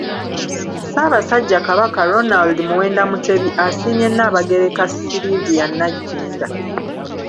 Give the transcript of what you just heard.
Ssaabasajja Kabaka Ronald Muwenda Mutebi asiimye Nnaabagereka Sylivia Nagginda.